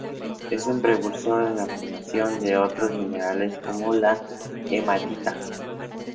Es un precursor en la formación de otros minerales como la hematita.